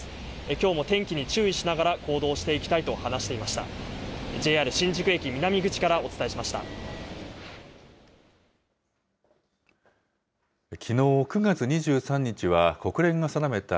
きょうも天気に注意しながら行動していきたいと話していました。